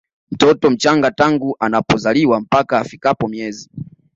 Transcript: mtoto mchanga tangu anapozaliwa mpaka afikapo miezi